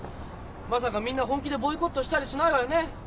まさかみんな本気でボイコットしたりしないわよね？